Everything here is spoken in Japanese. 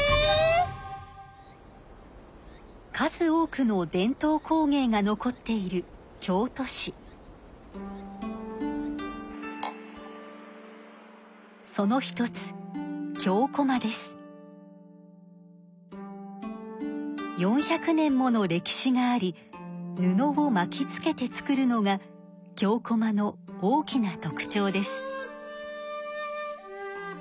数多くの伝統工芸が残っているその一つ４００年もの歴史があり布をまきつけて作るのが京こまの大きな特ちょうです。